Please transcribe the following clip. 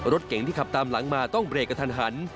รถเก๋งที่ขับตามหลังมาต้องเบรกกระทันหัน